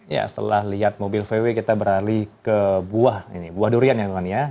ya setelah lihat mobil vw kita beralih ke buah ini buah durian ya vani ya